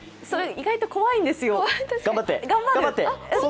意外と怖いんですよ。頑張って！